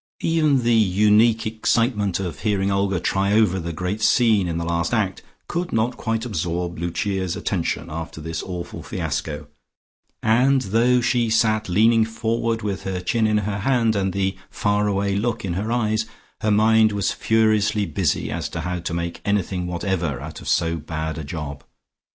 Even the unique excitement of hearing Olga "try over" the great scene in the last act could not quite absorb Lucia's attention after this awful fiasco, and though she sat leaning forward with her chin in her hand, and the far away look in her eyes, her mind was furiously busy as to how to make anything whatever out of so bad a job.